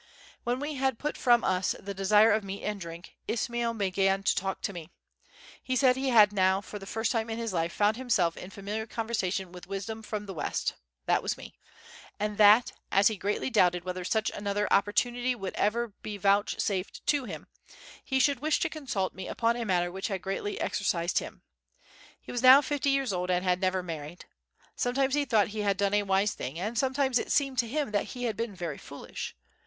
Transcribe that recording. When we had put from us "the desire of meat and drink," Ismail began to talk to me. He said he had now for the first time in his life found himself in familiar conversation with Wisdom from the West (that was me), and that, as he greatly doubted whether such another opportunity would be ever vouchsafed to him, he should wish to consult me upon a matter which had greatly exercised him. He was now fifty years old and had never married. Sometimes he thought he had done a wise thing, and sometimes it seemed to him that he had been very foolish.